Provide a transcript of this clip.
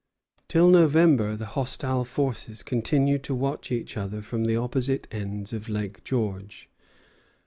Till November, the hostile forces continued to watch each other from the opposite ends of Lake George.